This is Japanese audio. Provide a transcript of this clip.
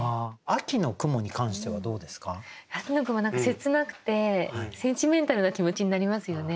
秋の雲は何か切なくてセンチメンタルな気持ちになりますよね。